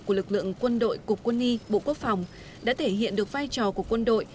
của lực lượng quân đội cục quân y bộ quốc phòng đã thể hiện được vai trò của quân đội